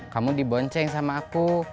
kamu dibonceng sama aku